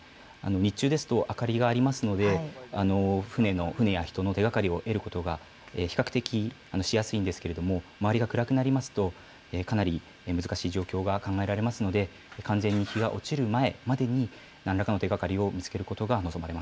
日中ですと、明かりがありますので、船や人の手がかりを得ることが比較的、しやすいんですけれども、周りが暗くなりますと、かなり難しい状況がわけ、完全に日が落ちるまでに、なんらかの手がかりを見つけることが望